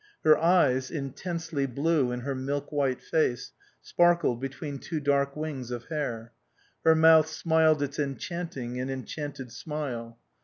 Her eyes, intensely blue in her milk white face, sparkled between two dark wings of hair. Her mouth smiled its enchanting and enchanted smile.